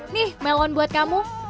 nih melon buat kamu